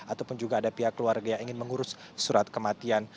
ataupun juga ada pihak keluarga yang ingin mengurus surat kematian